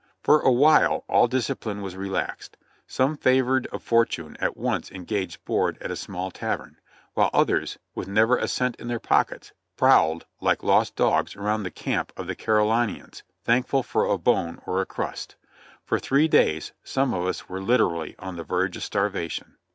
For a while all discipline was relaxed; some favored of fortune at once engaged board at a small tavern, while others, with never a cent in their pockets, prowled like lost dogs around the camp of the Carolinians, thankful for a bone or a crust. For three days some of us were literally on the verge of starvation.